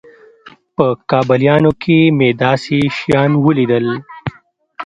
په کابليانو کښې مې داسې شيان وليدل.